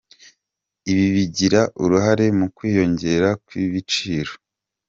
Ibi bigira uruhare mu kwiyongera kw’ibiciro.